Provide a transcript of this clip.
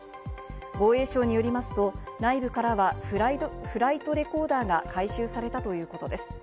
防衛省によりますと内部からはフライトレコーダーが回収されたということです。